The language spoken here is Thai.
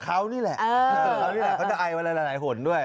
เขานี่แหละเขาจะอายมาหลายหนดด้วย